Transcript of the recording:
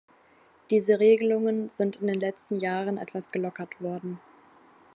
Diese Regelungen sind in den letzten Jahren etwas gelockert worden.